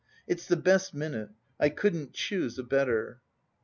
"It's the best minute; I couldn't choose a better."